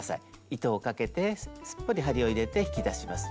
糸をかけてすっぽり針を入れて引き出します。